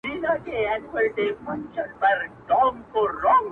جهاني ما خو قاصد ور استولی -